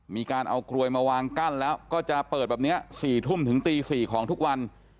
มีการเอากลวยมาวางกั้นแล้วก็จะเปิดแบบนี้๔ทุ่มถึงตี๔ของทุกวัน